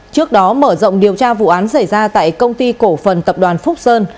trước đó mở rộng điều tra vụ án xảy ra tại công ty cổ phần tập đoàn phúc sơn